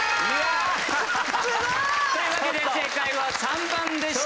すごい！というわけで正解は３番でした！